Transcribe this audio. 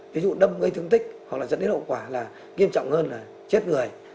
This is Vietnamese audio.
ví dụ đâm gây thương tích hoặc là dẫn đến hậu quả là nghiêm trọng hơn là chết người